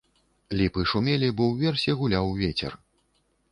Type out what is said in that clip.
Ліпы шумелі, бо ўверсе гуляў вецер.